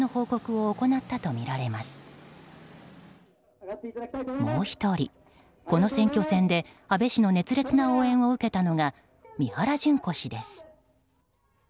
もう１人、この選挙戦で安倍氏の熱烈な応援を受けたのが三原じゅん子氏です。